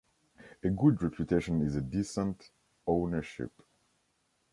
A good reputation is a decent ownership.